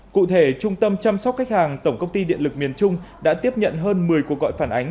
cụ thể trung tâm chăm sóc khách hàng tổng công ty điện lực miền trung đã tiếp nhận hơn một mươi cuộc gọi phản ánh